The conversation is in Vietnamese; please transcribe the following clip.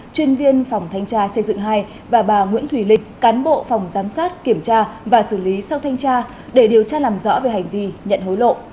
chuyên viên phòng thanh tra xây dựng hai và bà nguyễn thùy lịch cán bộ phòng giám sát kiểm tra và xử lý sau thanh tra để điều tra làm rõ về hành vi nhận hối lộ